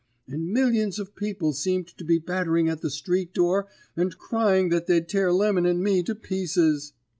and millions of people seemed to be battering at the street door and crying that they'd tear Lemon and me to pieces.